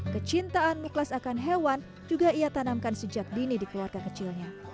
kecintaan miklas akan hewan juga ia tanamkan sejak dini di keluarga kecilnya